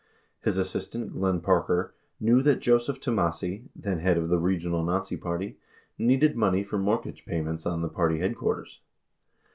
His assistant, Glenn Parker, knew that Joseph Tomassi, then head of the regional Nazi Party, needed money for mortgage payments on the party headquarters.